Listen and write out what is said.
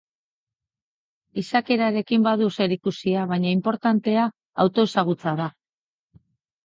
Izakerarekin badu zerikusia, baina inportantea autoezagutza da.